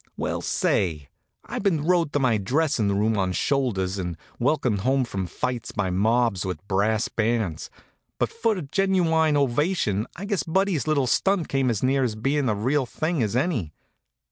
Well say, I've been rode to my dressin' room on shoulders, and welcomed home from fights by mobs with brass bands; but for a gen u ine ovation I guess Buddy's little stunt came as near bein' the real thing as any.